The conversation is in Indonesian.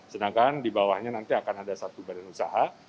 sedangkan di bawahnya nanti akan ada satu badan usaha